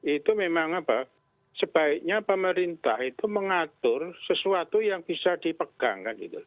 itu memang apa sebaiknya pemerintah itu mengatur sesuatu yang bisa dipegang